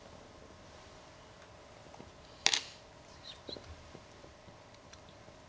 失礼しました。